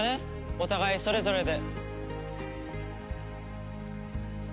お互いそれぞれで。